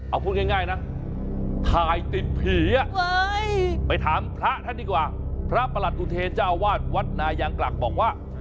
เอาพูดง่ายนะถ่ายติดผีไปถามพระท่านดีกว่าพระประหลัดอุเทรเจ้าอาวาสวัดนายางกลักบอกว่า